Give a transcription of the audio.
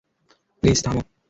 Please, থামো।